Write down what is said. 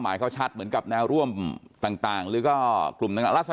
ไม่ครับไม่ได้เรียนครับ